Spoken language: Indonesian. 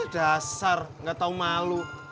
dasar nggak tau malu